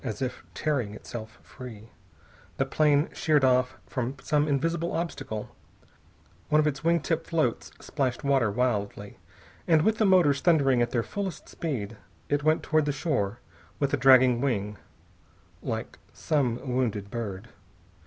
As if tearing itself free, the plane sheered off from some invisible obstacle, one of its wing tip floats splashed water wildly, and, with the motors thundering at their fullest speed, it went toward the shore with a dragging wing, like some wounded bird.